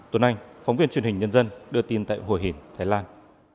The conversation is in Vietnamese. tuấn anh phóng viên truyền hình nhân dân đưa tin tại hội hình thái lan